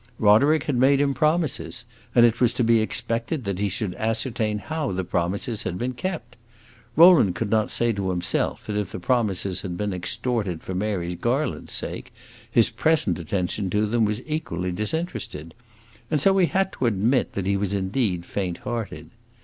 Roderick had made him promises, and it was to be expected that he should ascertain how the promises had been kept. Rowland could not say to himself that if the promises had been extorted for Mary Garland's sake, his present attention to them was equally disinterested; and so he had to admit that he was indeed faint hearted.